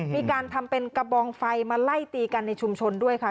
มีการทำเป็นกระบองไฟมาไล่ตีกันในชุมชนด้วยค่ะ